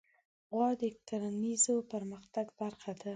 غوا د کرهڼیز پرمختګ برخه ده.